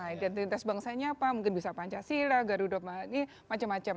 identitas bangsa ini apa mungkin bisa pancasila garuda ini macam macam